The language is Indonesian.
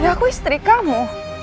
ya aku istri kamu